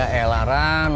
ya eh laran